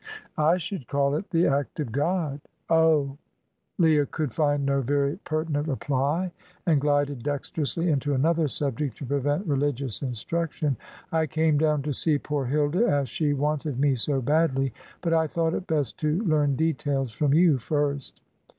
"I should call it the act of God." "Oh!" Leah could find no very pertinent reply, and glided dexterously into another subject, to prevent religious instruction. "I came down to see poor Hilda, as she wanted me so badly. But I thought it best to learn details from you first.